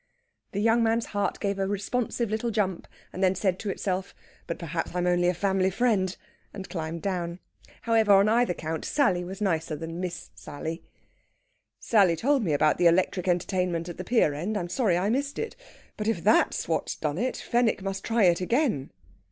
The young man's heart gave a responsive little jump, and then said to itself, "But perhaps I'm only a family friend!" and climbed down. However, on either count, "Sally" was nicer than "Miss Sally." "Sally told me about the electric entertainment at the pier end. I'm sorry I missed it. But if that's what's done it, Fenwick must try it again."